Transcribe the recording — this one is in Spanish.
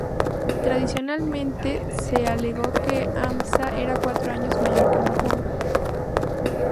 Tradicionalmente se alegó que Hamza era cuatro años mayor que Mahoma.